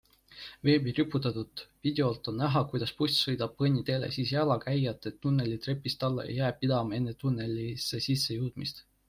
Veebi riputatud videolt on näha, kuidas buss sõidab kõnniteele, siis jalakäijate tunneli trepist alla ja jääb pidama enne tunnelisse sisse jõudmist.